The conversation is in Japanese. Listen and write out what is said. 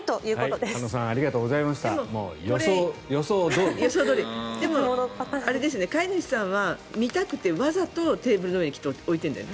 でも、飼い主さんは見たくてわざとテーブルの上にきっと置いてるんだよね。